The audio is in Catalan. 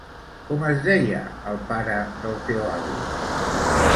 Com es deia el pare del teu avi?